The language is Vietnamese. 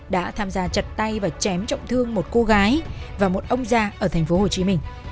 đã tham gia chặt tay và chém trọng thương một cô gái và một ông già ở thành phố hồ chí minh